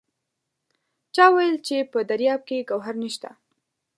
چا وایل چې په دریاب کې ګوهر نشته!